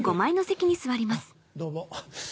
どうも。